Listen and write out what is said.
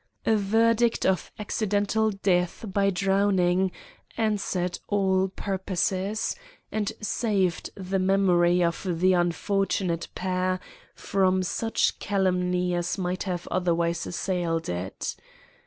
A verdict of accidental death by drowning answered all purposes, and saved the memory of the unfortunate pair from such calumny as might have otherwise assailed it.